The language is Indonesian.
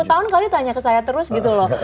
lima tahun kali tanya ke saya terus gitu loh